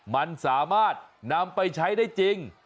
มันสามารถนำไปใช้ได้จริง